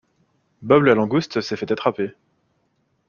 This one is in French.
Bob la langouste s'est fait attraper.